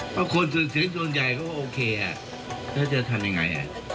เพราะคนส่วนเสียงส่วนใหญ่ก็โอเคอ่ะแล้วจะทำยังไงอ่ะ